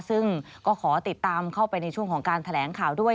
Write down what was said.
ซึ่งก็ขอติดตามเข้าไปในช่วงของการแถลงข่าวด้วย